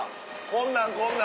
こんなんこんな。